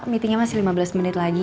meetingnya masih lima belas menit lagi